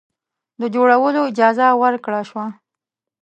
د جوړولو اجازه ورکړه شوه.